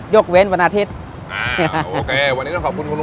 ยกเว้นวันอาทิตย์